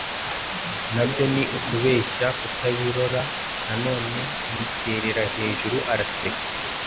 na byo ni ukubeshya?” Katabirora noneho yiterera hejuru araseka